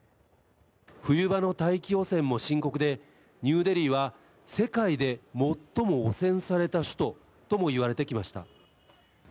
冬場の大気汚染も深刻で、ニューデリーは世界で最も汚染された首都ともいわれてきました。